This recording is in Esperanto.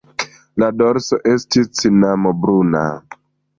La dorso estis cinamo-bruna.